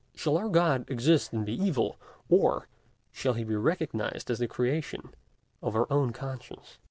Shall our God exist and be evil, or shall he be recognized as the creation of our own conscience?